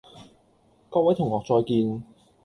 各位同學再見